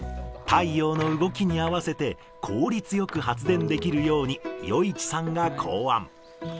太陽の動きに合わせて、効率よく発電できるように余一さんが考案。